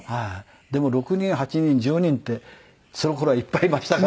でも６人８人１０人ってその頃はいっぱいいましたからね。